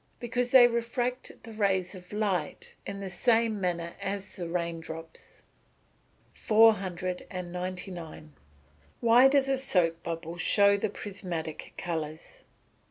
_ Because they refract the rays of light in the same manner as the rain drops. 499. _Why does a soap bubble show the prismatic colours?